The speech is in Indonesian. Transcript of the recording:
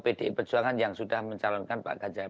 pdi perjuangan yang sudah mencalonkan pak ganjar